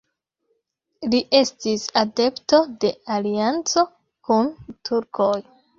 Li estis adepto de alianco kun turkoj.